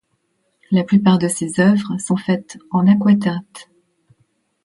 La plupart de ses œuvres sont faites en aquatinte.